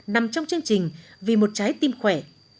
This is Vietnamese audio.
nằm trong chương trình vì một trái tim khỏe